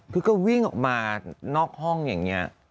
คือก็วิ่งออกมานอกห้องอย่างนี้